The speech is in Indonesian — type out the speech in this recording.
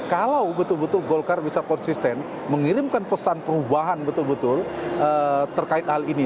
kalau betul betul golkar bisa konsisten mengirimkan pesan perubahan betul betul terkait hal ini